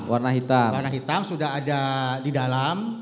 warna hitam sudah ada di dalam